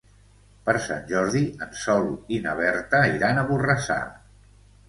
Per Sant Jordi en Sol i na Berta iran a Borrassà.